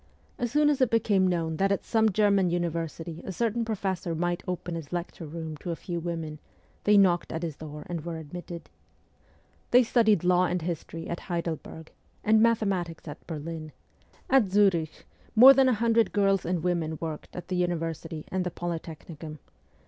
As soon as it became known that at some German university a certain professor might open his lecture room to a few women, they knocked at his door and were admitted. They studied law and history at Heidelberg, and mathematics at Berlin ; at Zurich more than a hundred girls and women worked at the University and the Polytechnicum.